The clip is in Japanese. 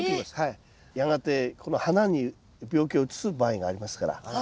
やがてこの花に病気を移す場合がありますから。